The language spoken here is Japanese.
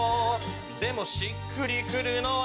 でもしっくりくるのは